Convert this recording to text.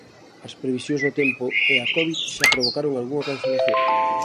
As previsións do tempo e a Covid xa provocaron algunha cancelación.